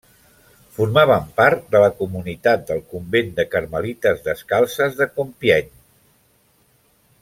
Formaven part de la comunitat del convent de carmelites descalces de Compiègne.